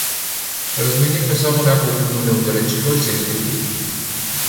Разменихме само няколко думи отдалеч и той се изгуби.